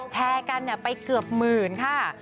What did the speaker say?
แชร์กันไปเกือบหมื่นค่ะ